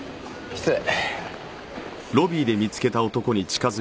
失礼。